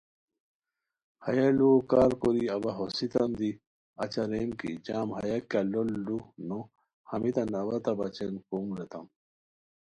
ہیہ لُوؤ کارکوری اوا ہوسیتام دی اچی ریم کی، جم ہیہ کیہ لوٹ لُو نو، ہمیتان اوا تہ بچین کوم ریتام